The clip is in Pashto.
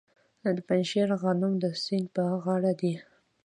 د پنجشیر غنم د سیند په غاړه دي.